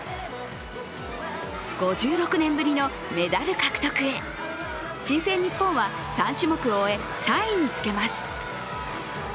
５６年ぶりのメダル獲得へ新生ニッポンは３種目を終え３位につけます。